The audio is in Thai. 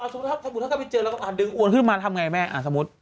สมมุติถ้าเข้าไปเจอแล้วก็ดึงอวนขึ้นมาทำไงแม่สมมุติ